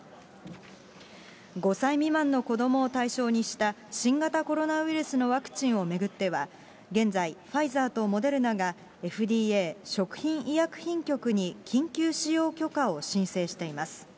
５歳未満の子どもを対象にした新型コロナウイルスのワクチンを巡っては、現在、ファイザーとモデルナがＦＤＡ・食品医薬品局に緊急使用許可を申請しています。